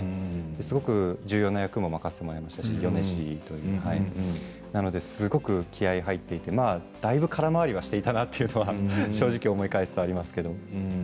すごく重要な役も任せてもらいましたし米示という役ですごく気合いが入っていてだいぶ空回りしていたなと正直、思い返すとありますけど。